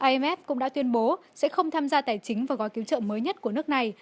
imf cũng đã tuyên bố sẽ không tham gia tài chính vào gói cứu trợ mới nhất của nước này